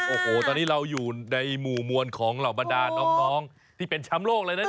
โอ้โหตอนนี้เราอยู่ในหมู่มวลของเหล่าบรรดาน้องที่เป็นแชมป์โลกเลยนะ